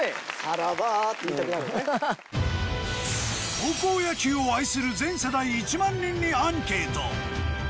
高校野球を愛する全世代１万人にアンケート。